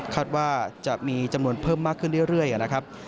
คาดว่าจะมีจำนวนเพิ่มมากขึ้นเรื่อยนะครับ